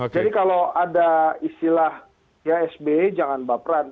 jadi kalau ada istilah ya sbe jangan baperan